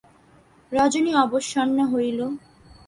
রজনী অবসন্ন হইল।